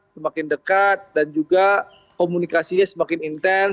semakin dekat dan juga komunikasinya semakin intens